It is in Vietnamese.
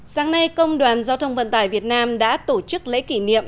sáng nay công đoàn giao thông vận tải việt nam đã tổ chức lễ kỷ niệm